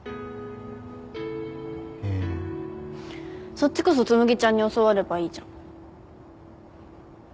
そっちこそ紬ちゃんに教わればいいじゃん。